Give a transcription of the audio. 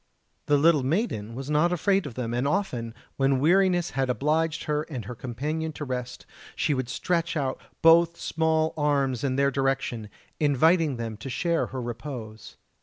The little maiden was not afraid of them, and often, when weariness had obliged her and her companion to rest, she would stretch out both small arms in their direction, inviting them to share her repose.